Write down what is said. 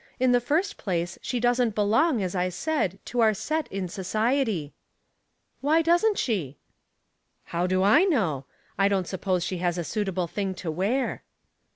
In the first place, she doesn't belong, as I said, to our set in so ciety." "Why doesn't she?" " How do /know V I don't suppose she has \ suitable thing to wear."